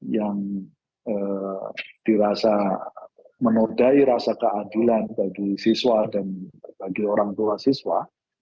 yang dirasa menodai rasa keadilan bagi siswa dan bagi orang tua siswa